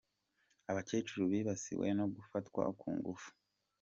Abakecuru bibasiwe no gufatwa ku ngufu